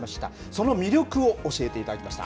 その魅力を教えていただきました。